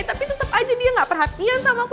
tapi tetap aja dia gak perhatian sama aku